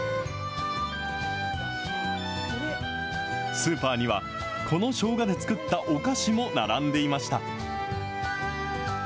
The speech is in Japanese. スーパーには、このしょうがで作ったお菓子も並んでいました。